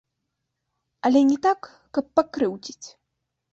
Але не так, каб пакрыўдзіць.